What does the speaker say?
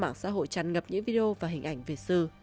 tôi chẳng ngập những video và hình ảnh về sư